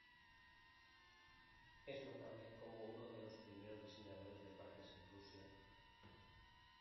Es notable como uno de los primeros diseñadores de parques en Rusia.